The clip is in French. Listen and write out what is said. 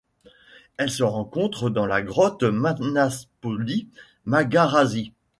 Elle se rencontre dans la grotte Manaspoli Mağarası.